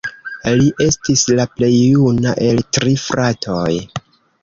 Li estis la plej juna el tri fratoj.